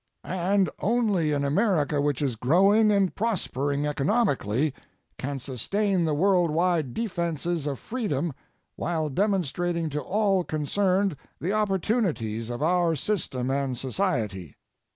And only an America which is growing and prospering economically can sustain the worldwide defenses of freedom, while demonstrating to all concerned the opportunities of our system and society.